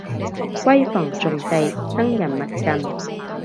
閨房重地生人勿近